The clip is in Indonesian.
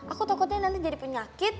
aku takutnya nanti jadi penyakit